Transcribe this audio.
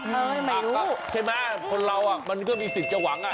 ใช่มะคนเรามันก็มีศิษย์จะหวัง